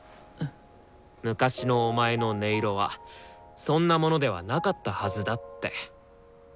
「昔のお前の音色はそんなものではなかったはずだ」って。